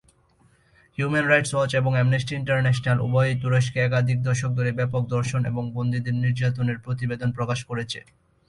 Human Rights Watch এবং Amnesty International উভয়ই তুরস্কে একাধিক দশক ধরে ব্যাপক ধর্ষণ এবং বন্দীদের নির্যাতনের প্রতিবেদন প্রকাশ করেছে।